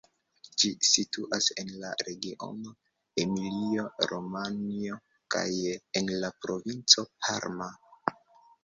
Ĝi situas en la regiono Emilio-Romanjo kaj en la provinco Parma.